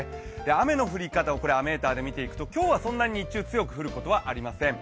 雨の降り方、雨ーターで見ていくと、今日は日中そんなに強く降ることはありません。